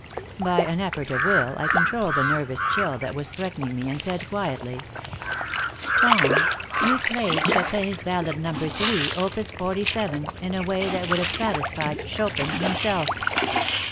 By an effort of will I controlled the nervous chill that was threatening me, and said, quietly: "Tom, you played Chopin's Ballade Number 3, Opus 47, in a way that would have satisfied Chopin himself.